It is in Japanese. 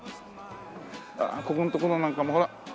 ああここんところなんかもほら。